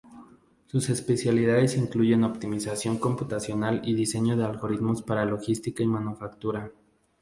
Sus especialidades incluyen optimización computacional y diseño de algoritmos para logística y manufactura.